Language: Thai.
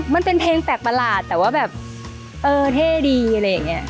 มันเป็นเพลงแปลกประหลาดแต่ว่าแบบเออเท่ดีอะไรอย่างนี้